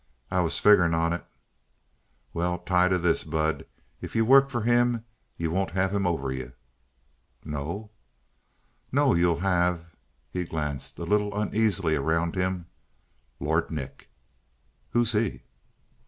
"I was figuring on it." "Well, tie to this, bud. If you work for him you won't have him over you." "No?" "No, you'll have" he glanced a little uneasily around him "Lord Nick." "Who's he?"